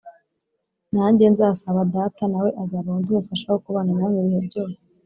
Nanjye nzasaba Data, nawe azabaha undi Mufasha wo kubana namwe ibihe byose